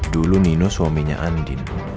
dulu nino suaminya andin